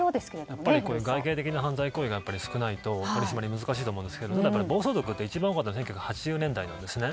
やっぱり外形的な犯罪行為が少ないと取り締まりは難しいと思うんですがただ暴走族って一番多かったのは１９８０年代なんですね。